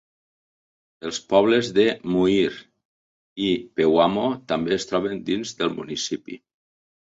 Els pobles de Muir i Pewamo també es troben dins del municipi.